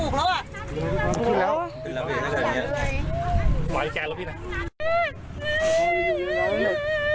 เป็นแล้วเป็นแล้วเป็นแล้วพี่